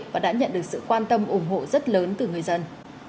và đã nhận được sự quan tâm ủng hộ rất lớn từ người dân